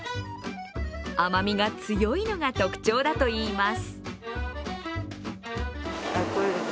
甘みが強いのが特徴だといいます。